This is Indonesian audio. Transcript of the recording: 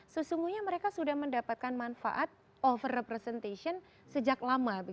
sesungguhnya mereka sudah mendapatkan manfaat over representation sejak lama